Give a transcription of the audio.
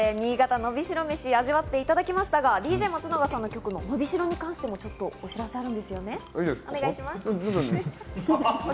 ということで、のびしろメシ味わっていただきましたが、ＤＪ松永さんの曲『のびしろ』に関してもお知らせがあるんですよね？